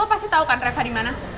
lu pasti tau kan reva dimana